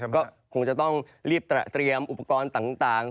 ก็คงจะต้องรีบเตรียมอุปกรณ์ต่าง